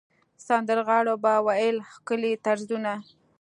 سندرغاړو به ویل ښکلي طرزونه.